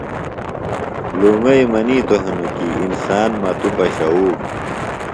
لومئیہ منیتوۡ ہنوۡ کیۡ انسان مہ توۡ پشوُوم